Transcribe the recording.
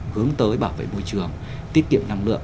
hướng tới bảo vệ môi trường tiết kiệm năng lượng